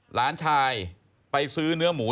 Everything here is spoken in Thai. หลานชายไปซื้อเนื้อหมู